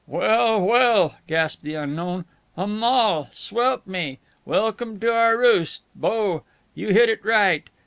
"Well, well," gasped the unknown, "a moll, swelp me! Welcome to our roost, 'bo! You hit it right.